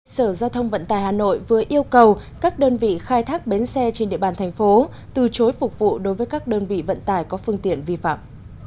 sở giao thông vận tài hà nội vừa yêu cầu các đơn vị khai thác bến xe trên địa bàn thành phố từ chối phục vụ đối với các đơn vị vận tải có phương tiện vi phạm